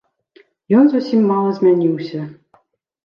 Ён зусім мала змяніўся.